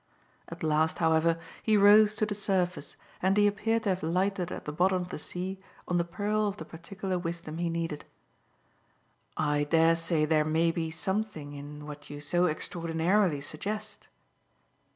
At last, however, he rose to the surface, and he appeared to have lighted at the bottom of the sea on the pearl of the particular wisdom he needed. "I dare say there may be something in what you so extraordinarily suggest."